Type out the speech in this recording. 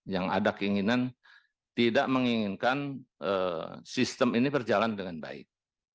yang ada keinginan tidak menginginkan sistem ini berjalan dengan baik